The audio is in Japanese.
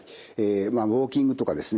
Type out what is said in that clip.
まあウォーキングとかですね